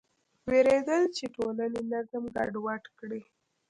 وېرېدل چې ټولنې نظم ګډوډ کړي.